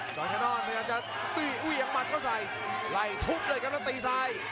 จอนแคนนอนพยายามจะตีอุ้ยยังมัดก็ใส่ไล่ทุบด้วยกันแล้วตีซ้าย